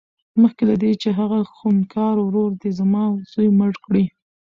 مخکې له دې چې هغه خونکار ورور دې زما زوى مړ کړي.